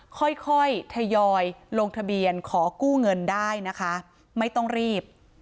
ค่อยค่อยทยอยลงทะเบียนขอกู้เงินได้นะคะไม่ต้องรีบ